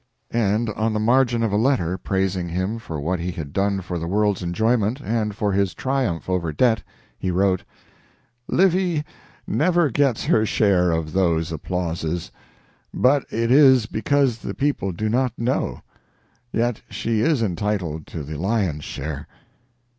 And on the margin of a letter praising him for what he had done for the world's enjoyment, and for his triumph over debt, he wrote: "Livy never gets her share of those applauses, but it is because the people do not know. Yet she is entitled to the lion's share."